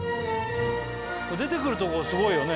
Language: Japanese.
出てくるとこすごいよね